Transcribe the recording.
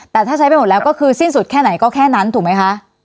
แต่ถ้าใช้ไปหมดแล้วก็คือสิ้นสุดแค่ไหนก็แค่นั้นถูกไหมคะ